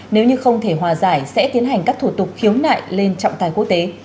nếu như không thể hòa giải sẽ tiến hành các thủ tục khiếu nại lên trọng tài quốc tế